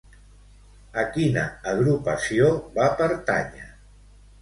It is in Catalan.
A quina agrupació va pertànyer?